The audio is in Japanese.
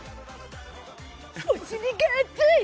お尻が熱い！